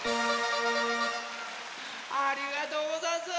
ありがとうござんす。